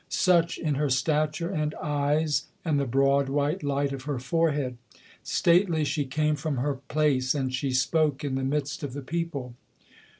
Such in her stature and eyes, and the broad white light of her forehead. Stately she came from her place, and she spoke in the midst of the people.